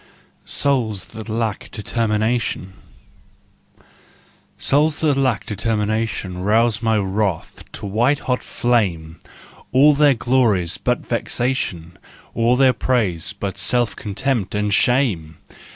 "SOULS THAT LACK DETERMINATION." Souls that lack determination Rouse my wrath to white hot flame! All their glory's but vexation, All their praise but self contempt and shame!